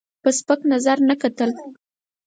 په سپک نظر نه کتل.